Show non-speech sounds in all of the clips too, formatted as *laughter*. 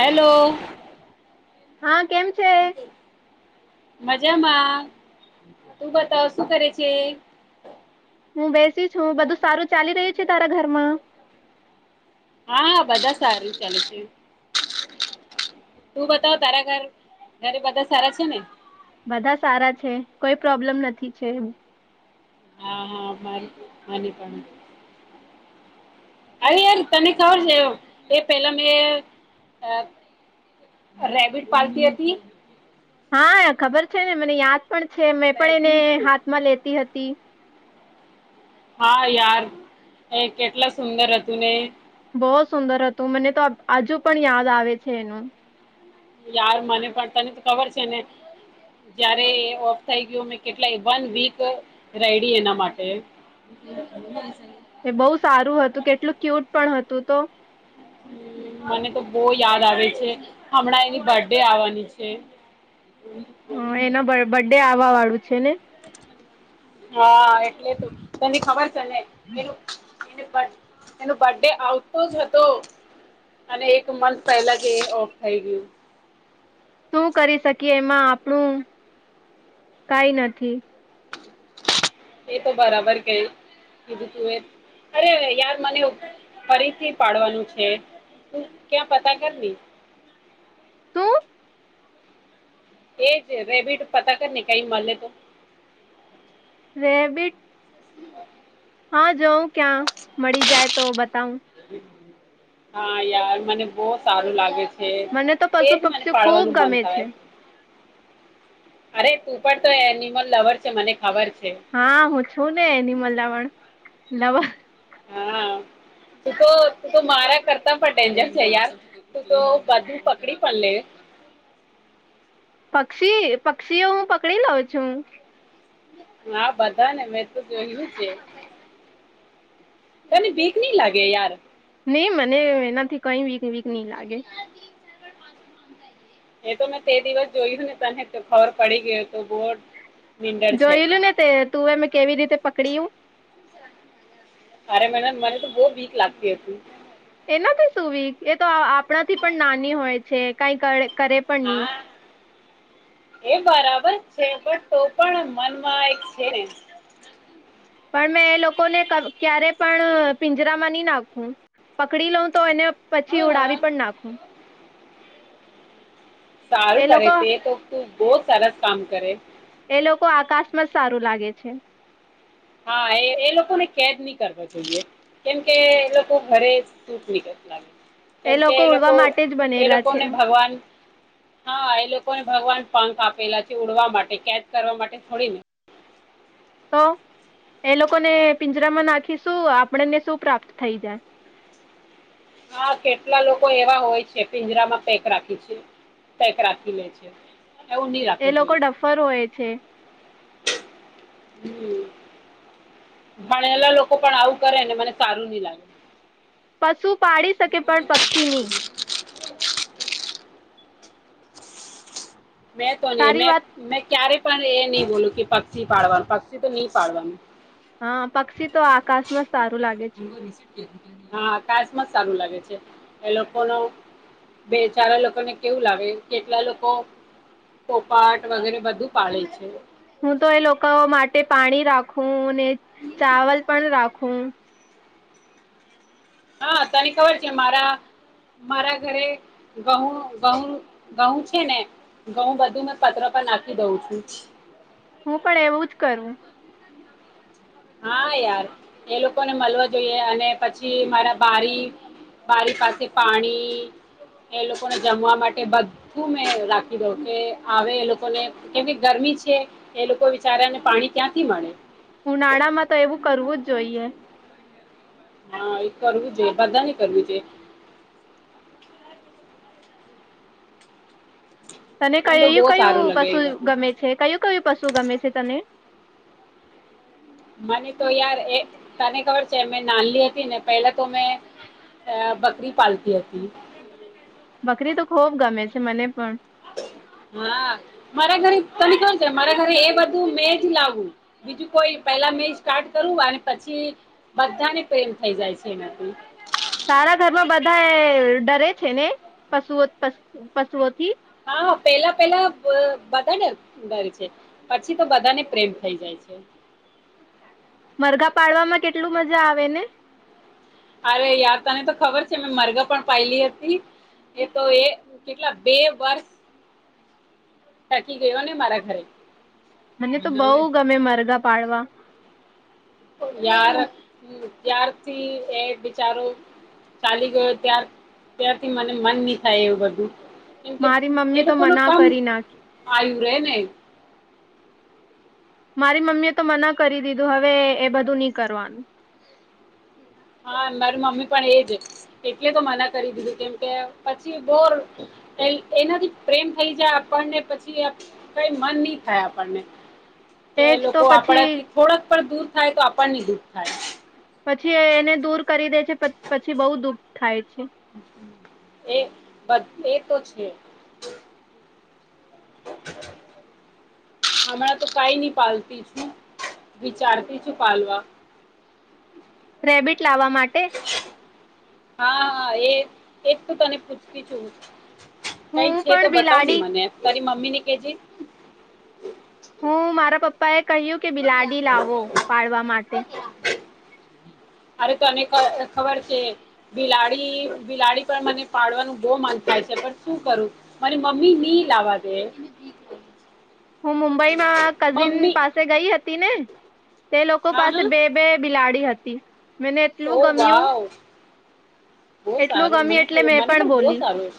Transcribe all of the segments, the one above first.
Hello હા કેમ છે મજામાં તું બતાવ શું કરે છે હું બેસીશ હું બધું સારું ચાલી રહી છે તારા ઘરમાં હા બધા સારું ચાલે છે તું બતાવ તારા ઘર ઘરે બધા સારા છે ને બધા સારા છે કોઈ પ્રોબ્લમ નથી છે હા હા મારી મને પણ અરે યાર તને ખબર છે એ પેલા મેં રેબિડ પાળતી હતી હા ખબર છે ને મને યાદ પણ છે મેં પણ એને રેબિટ હાથમાં લેતી હતી હા યાર એ કેટલા સુંદર હતું ને બહ સુંદર હતું મને તો હજુ પણ યાદ આવે છે એનું યાર મને પણ તને તો ખબર છે ને જયારે એ ઓફ થઈ ગયો કેટલાય વન વીક રેડી એના માટે એ બહુ સારું હતું કેટલું ક્યુટ પણ હતું તો મને તો બોય યાદ આવે છે હમણાં એની બર્થડે બડે આવવાની છે હમ એનો બર્ડે આવવા વાળું છે ને હા એટલે તું તને ખબર તને એનું એ એનો બર્ ડે આવતો જ હતો અને એક મંથ પહેલા જે ઓફ થઈ ગયું શું કરી શકીએ એમાં આપણું કાઈ નથી એ તો બરાબર કે કીધું તું એ અરે યાર મને ફરીથી પાડવાનું છે તું ક્યાં પતા કરને શું એજ રેબીટ પતા કર ને કઈ મલે તો રેબિટ હા જોઉં ક્યાં મળી જાય તો બતાવું હા યાર મને બહુ સારું લાગે છે મને તો પશુ એજ મને પક્ષીઓ ખૂબ પાડવાનું મન ગમે છે થાય અરે તું પણ તો એનિમલ લવર છે મને ખબર છે. હા હું છું ને. નવા હા શ તો તું તો માારા કરતા પણ ડેનજર છે યાર તું તો બધું પકડી પણ લે. પક્ષી પક્ષીઓ હું પકડી લઉં છું. હા બધા ને મે જોયલુ છે. તને બીક નહી લાગે યાર. નહી મને એનાથી કઈ બીક વીક નહી લાગે. એ તો મેં તે દિવસ જોયું ને તને તો ખબર પડી ગયો તો બો જોયેલું ને તે તુંમે કેવી રીતે પકડીું. તરે મને મને તો બહ વીક લાગતી હતી. એનાથી સુું બીક એ તો આપણાથી પણ નાની હોય છે કઈક કરે પણ નહી. હા એ બરાબર છે. પણ તો પણ મનમાં એક છે. પણ મેં એ લોકોને ક્યારે પણ પિંજરામાં નહી નાખું પકડી લઉં તો એને પછી હા ઉડાવી પણ નાખું. સારું એ કરે લોકો તે તો તું બહુ સરસ કામ કરે. એ લોકો આકાશમાં જ સારું લાગે છે. હા એ એ લોકોને કેદ નહી કરવા જોઈએ કેમકે એ લોકો ઘરે સૂખની લાગે. એ લોકો ઉડવા માટે જ એ બનેલા છે. લોકોને ભગવાન હા એ લોકોને ભગવાન પાંખ આપેલા છે ઉડવા માટે કેદ કરવા માટે થોડીને. તો એ લોકોને પિંજરામાં નાખી શું આપણને શું પ્રાપ્ત થઈ જાય. હા કેટલા લોકો એવા હોય છે પિંજરામાં પેક રાખી છે પેક રાખી લે છે એવું નહી એ રાખવું લોકો જોઈએ ડફર હોય છે. હમ ભણેલા લોકો પણ આવું કરે ને મને સારું નહી લાગતુ. પશુ. પાડી શકે પણ પક્ષીની. મેં તો નહી સારી મે વાત મે ક્યારે પણ એ નહી બોલું કે પક્ષી પાળવાનું પક્ષી તો નહી પાડવાનું. હા પક્ષી તો આકાશમાં સારું લાગે છે. *inaudible* હા આકાશ મા સારું લાગે છે એ લોકોનો બે ચારા લોકોને કેવું લાગે કેટલા લોકો પોપાટ વગેરે બધું પાળે છે. હું તો એ લોકો માટે પાણી રાખું ને ચાવલ પણ રાખું હા તને ખબર છે મારા મારા ઘરે ઘઉ ધઉ ધઉ છે ને ઘઉં બધું મે પત્ર પર નાખી દઉં છું. હું પણ એવું જ કરું હા યાર એ લોકોને મલવા જોઈએ અને પછી મારા બારી બારી પાસે પાણી એ લોકોને જમવા માટે બધું મે રાખી દઉં કે આવે એ લોકોને કેવીક ગરમી છે એ લોકો વિચારે ને પાણી ક્યાંથી મળે ઉનાળા માં તો એવું કરવું જ જોઈએ હા એ કરવું જોઈએ બધાને કરવું જોઈએ તને મને તો કયુ બહુ કયુ સારું લાગે પશુ એ બધું ગમે છે કયું કયું પશુ ગમે છે તને મને તો યાર એ તને ખબર છે મેં નાનલી હતી ને પેલા તો મેં અ બકરી પાલતી હતી બકરી તો ખોબ ગમે છે મને પણ હા મારા ઘરે તને *unintelligible* છે મારા ઘરે એ બધું મે જ લાવું બીજું કોઈ પેલા મે સ્ટાર્ટ કરવું અને પછી બધાને પ્રેમ થઈ જાય છે એનાથી સારા ઘરમાં બધા એ ડરે છે ને પશુઓ પશ પશુઓથી હા પેલા પેલા બ બધાને ડરે છે પછી તો બધાને પ્રેમ થઈ જાય છે મરઘા પાડવામાં કેટલું મજા આવેને અરે યાર તને તો ખબર છે મેં મરગા પણ પાયલી હતી એ તો એ કેટલા બે વર્ષ થકી ગયો ને મારા ઘરે મને તો બઉ ગમે મરગા પાડવા. યાર ત્યારથી એ બિચારો ચાલી ગયો ત્યાર-ત્યારથી મને મન ની થાય એવું બધું. કેમ કે મારી મમ્મી એ તો લોકો નો મના કામ કરી નાખી આયુ રે ને. મારી મમ્મી એ તો મના કરી દીધું હવે એ બધું ની કરવાનું. હા મારી મમ્મી પણ એજ, એટલે તો મના કરી દીધું કેમકે પછી બોર એ એ એનાથી પ્રેમ થઈ જાય આપણને પછી આ કઈ મન ની થાય આપણને. કે તેજ લોકો તો પછી આપણાથી થોડાક પણ દુર થાય તો આપણનેય દુઃખ થાય. પછી એને દૂર કરી દે છે પ પછી બઉુ દુઃખ થાય છે. એ બસ એ તો છે. હમણાં તો કાઈ ની પાલતી છું. વિચારતી છું પાલવા. રેબિટ લાવવા માટે? હા, હા એ એ જ તો તને પૂછતી છું. કાઈક હું છે તો પણ બતાવની બિલાડી મને. તારી મમ્મી ની કેજે. હું *inaudible* કહ્યું કે બિલાડી લાવો પાડવા માટે. અરે તને ખ ખબર છે બિલાડી-બિલાડી પણ મને પાડવાનું બોવ મન થાય છે, પણ શું કરું? મારી મમ્મી ની લાવવા દે. હું મુંબઈમાં કઝિન મમ્મી પાસે ગઈ હ તીને તે લોકો હા પાસે હા બે બે બિલા ડી હતી. મને ઓ એટલું ગમ્યું વાવ, બહું એટલું સારું. ગમ્યું મને એટલે પ મેં મને પણ બહું બોલી સારું.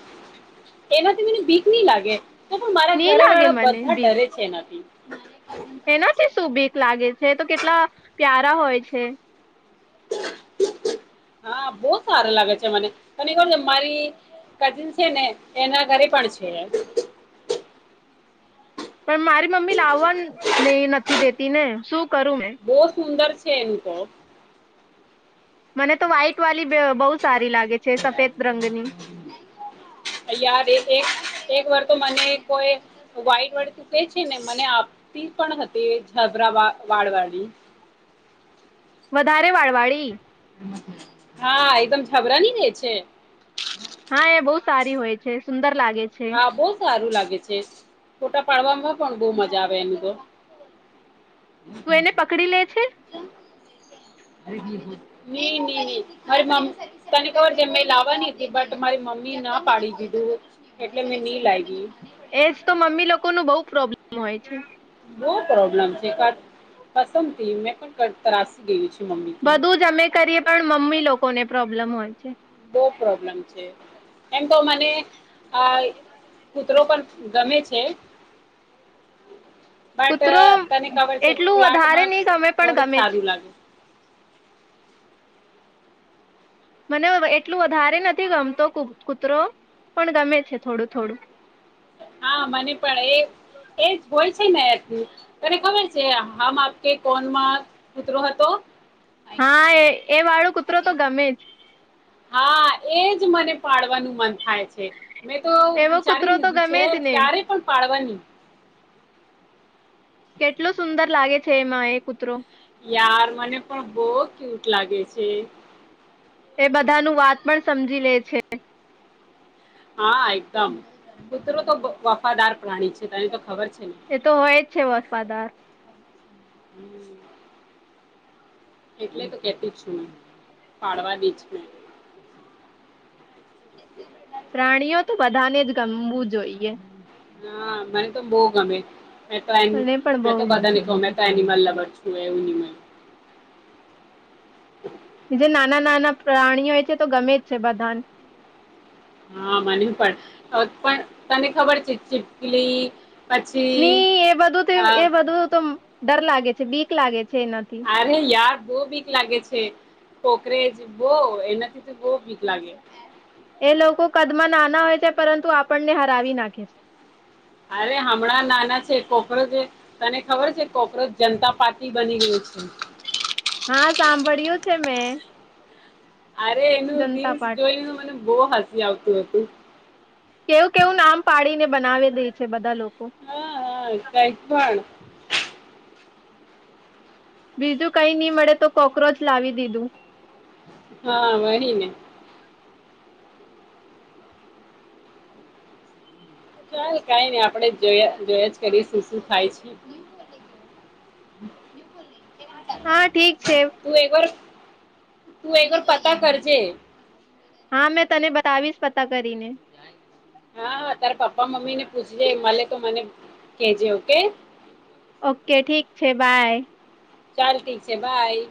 એનાથી મને બીક ની લાગે. તો પણ મારા ની ઘર લાગે વાળા મને બધા બીક ડરે છે એનાથી. એનાથી શું બીક લાગે, તે તો કેટલા પ્યારા હોય છે. હા બહું સારું લાગે છે મને. તને ખબર છે મારી કઝિન છે ને એના ઘરે પણ છે એ. પણ મારી મમ્મી લાવવા દે નથી દેતી ને શું કરું મેં બહો સુંદર છ છે એમ તો. મને તો વ્હાઈટ વાલી બ બહું જ યાર એક-એક-એક વર તો મને કોઈ વાઈટ વાળી તું કેહે છે ને મને આપતી પણ હતી, છબરા વા વાળ વાળી. વધારે વાળ વાળી? હા એકદમ છબરાની રે છે. હા એ બહુ સારી હોય છે, સુંદર લાગ હા બહુ સારું લાગ છે. ફોટા પાડવામાં પણ બહું મજા આવે એનું તો. તું એને પકડી લે છે.? નઈ નઈ મારી મમ્મ, તને ખબર છે, મેં લાવવાની હતી. બટ મારી મમ્મી ના પાડી દીધું એટલે મેં નહી લાવી એ જ તો, મમ્મી લોકો નો બઉ પ્રોબ્લેમ હોય છે. બઉ પ્રોબ્લમ છે, કાસ કસમથી મે પણ કંતારી ગયું છે. મમ્મીથી બધું જ અમે કરીએ પણ મમ્મી લોકો ને પ્રોબ્લેમ હોય છે. બહું પ્રોબ્લેમ છે. એમ તો મને આ કૂતરો પણ ગમે છે. બટ કૂતરો તને ખબર છે. એટલું વધારે પ્લાટમાં નહી ગમે પણ થોડીક ગમે છે સારું લાગે મને એટલું વધારે નથી ગમતો કૂતરો પણ, ગમે છે. થોડું થોડું *unintelligible* હા મને પણ એ એ જ હોય છે ને, એ તને ખબર છે હમ આપકે કોણમાં કુતરો હતો? હા, એ એ વાળો કૂતરો તો ગમે જ હા, એ જ મને પાડવાનું મન થ થાય છે મેં તો એવો વિચારી કૂતરો તો લીધું ગમે છે. જ ને ક્યારે પણ પાડવાની કેટલો સુંદર લાગે છે, એમાં એ કૂતરો. યાર, મને પણ બહ ક્યુટ લાગે છે. એ બધાનું વાત પણ સમજી લે છે. હા! એકદમ કુતરો તો વફાદાર પ્રાણી છે. તને તો ખબર છે. ને એ તો હોય જ છે વફાદાર. *inaudible* એટલે તો કેતી છું. મે પાડવા દિ જ મે *inaudible* પ્રાણીઓ તો બધાને જ ગમવું જોઈએ હા, મને તો બહુ ગમે. મે તો એમ મને પણ મે તો બહુ બધા ગમે લખ *inaudible* તો એનિમલ લવર હું એવું ની માનું *inaudible* છે નાના નાના પ્રાણીઓ હોય છે. તો ગમે જ છે બધાને હા મને પણ, પણ તને ખબર છે ચીટકલી નહી, એ બધું એ બધું ત ડર લાગે છે. બીક લાગે છે. એનાથી અરે યાર બહુ બીક લાગે છે. કોકરેજ બહુ, એનાથી તો બહુ ભીક લાગે. એ લોકો કદમાં નાના હોય છે. પરંતુ આપણને હરાવી નાખે છે. અરે હમણાં નાના છે. કોકરોજ તને ખબર છે કોકરોચ જનતા પાર્ટી બની ગયો છે. હા! સાંભળ્યું છે મેં. અરે એનું જનતા રીલ્સ પાર્ટી જોઈને, મને બહુ હસ આવતું હતું. કેવું કેવું નામ પાડીને બનાવી દે છે બધા લોકો હા હા કયખણ બીજું કઈ નહી મળે તો કોક્રોચ લાવી દીધું હા મળરી ને ચાલ કઈ નઈ આપડે જોયા જોયા જ કરીશું શું થાય છે હા ઠીક છે તું એકવાર તું એકવાર પતા કરજે હા મેં તને બતાવીશ પતા કરીને હા તારેા પપ્પા મમ્મી ને પૂછજે મલે તો મને કેજે ઓકે ઓકે ઠીક છે બાય ચાલ ઠીક છે બાય